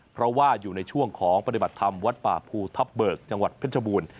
เพราะว่าอยู่ในช่วงของปฏิบัติธรรมวัดป่าภูทับเบิกจังหวัดเพชรบูรณ์